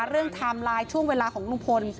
ไทม์ไลน์ช่วงเวลาของลุงพล